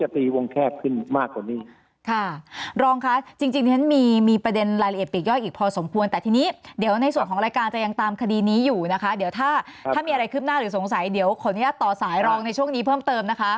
ถ้าเกิดตายสาเหตุเราก็จะตีวงแคบขึ้นมากกว่านี้